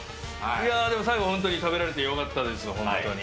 いやー、でも本当に、食べられてよかったですよ、本当に。